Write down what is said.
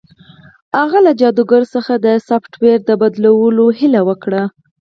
هغه له جادوګر څخه د سافټویر د بدلولو هیله وکړه